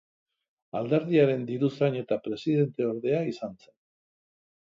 Alderdiaren diruzain eta presidenteordea izan zen.